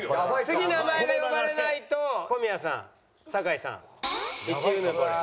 次名前が呼ばれないと小宮さん酒井さん１うぬぼれ。